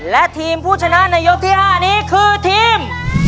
และทีมผู้ชนะในยกที่๕นี้คือทีม